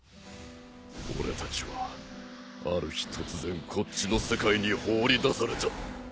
俺たちはある日突然こっちの世界に放り出された。